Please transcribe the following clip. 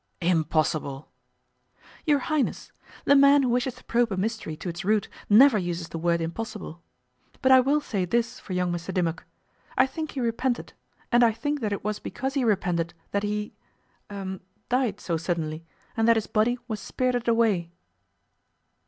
'Impossible!' 'Your Highness, the man who wishes to probe a mystery to its root never uses the word "impossible". But I will say this for young Mr Dimmock. I think he repented, and I think that it was because he repented that he er died so suddenly, and that his body was spirited away.